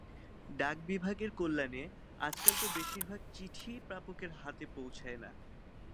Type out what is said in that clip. ডাকবিভাগের কল্যানে আজকাল তো বেশির ভাগ চিঠিই প্রাপকের হাতে পৌছায় না।